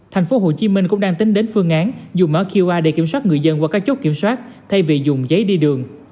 thành phố hồ chí minh cũng đang tính đến phương án dùng mở qr để kiểm soát người dân qua các chốt kiểm soát thay vì dùng giấy đi đường